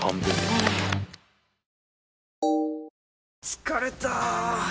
疲れた！